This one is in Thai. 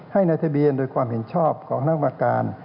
ให้ในทะเบียนโดยความเห็นชอบของคณะกรรมการ